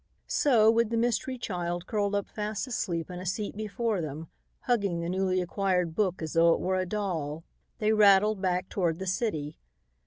So, with the mystery child curled up fast asleep in a seat before them, hugging the newly acquired book as though it were a doll, they rattled back toward the city.